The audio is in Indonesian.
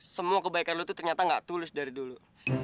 semua kebaikan lu itu ternyata gak tulus dari dulu